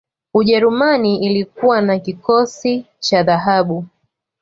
ujerumani ilikuwa na kikosi cha dhahabu